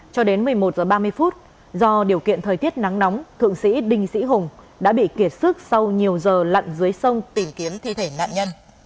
cho đến một mươi một h ba mươi do điều kiện thời tiết nắng nóng thượng sĩ đinh sĩ hùng đã bị kiệt sức sau nhiều giờ lặn dưới sông tìm kiếm thi thể nạn nhân